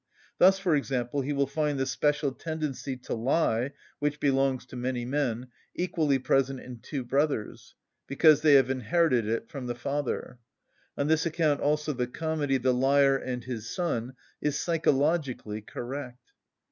Thus, for example, he will find the special tendency to lie, which belongs to many men, equally present in two brothers, because they have inherited it from the father; on this account also the comedy, "The Liar and his Son," is psychologically correct.